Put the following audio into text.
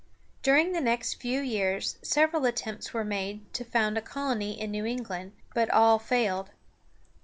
During the next few years several attempts were made to found a colony in New England, but all failed.